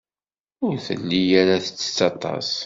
Ur telli ara tettett aṭas.